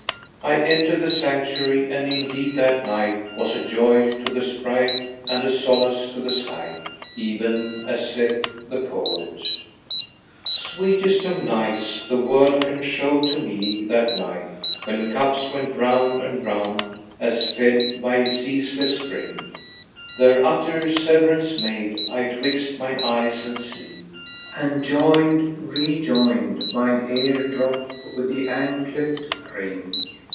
I entered the sanctuary, and indeed that night was a joy to the sprite and a solace to the sight even as saith the poet, "Sweetest of nights the world can show to me, that night * When cups went round and round as fed by ceaseless spring: There utter severance made I 'twixt mine eyes and sleep, * And joined, re joined mine ear drop with the anklet ring."